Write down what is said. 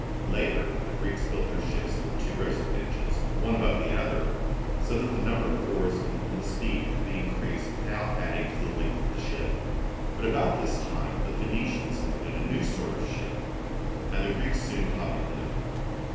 Later the Greeks built their ships with two rows of benches, one above the other, so that the number of oarsmen and the speed could be increased without adding to the length of the ship. But about this time the Phoenicians invented a new sort of ship, and the Greeks soon copied them.